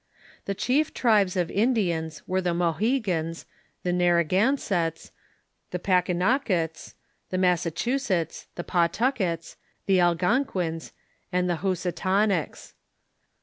The chief tribes of Indians Avere the Mohegans, the Narragansetts, the Pankun nawkuts, the Massachusetts, the Pawtuckets, the Algonquins, and the Housatonics.